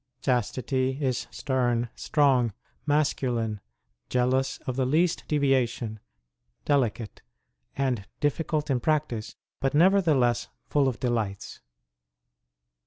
Chastity ... is stern, strong, masculine, jealous of the least deviation, delicate and difficult in practice, but never theless full of delights.